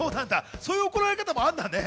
そういう怒られ方もあるのね。